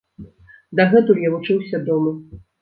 Дагэтуль я вучыўся дома.